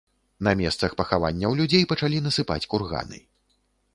На месцах пахаванняў людзей пачалі насыпаць курганы.